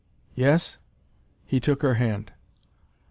"Yes?" He took her hand.